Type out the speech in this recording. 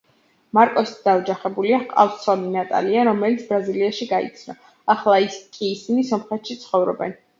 მარკოსი დაოჯახებულია, ჰყავს ცოლი ნატალია, რომელიც ბრაზილიაში გაიცნო, ახლა კი ისინი სომხეთში ცხოვრობენ.